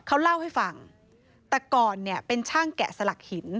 เขาเล่าให้ฟังแต่ก่อนเนี่ยเป็นช่างแกะสลักหิน